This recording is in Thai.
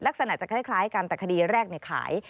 ลักษณะจะคล้ายกันแต่คดีแรกขาย